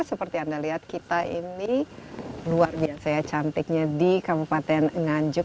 seperti anda lihat kita ini luar biasa ya cantiknya di kabupaten nganjuk